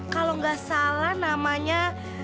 kalau gak salah namanya